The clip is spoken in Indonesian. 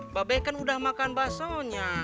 mbak beh kan udah makan basonya